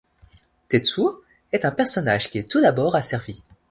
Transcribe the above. Tetsuo est un personnage qui est tout d'abord asservi.